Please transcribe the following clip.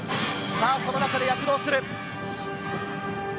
その中で躍動する。